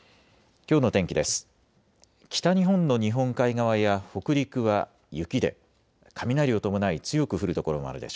きょうの天気です。